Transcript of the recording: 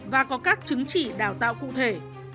và có các chứng chỉ đào tạo cụ thể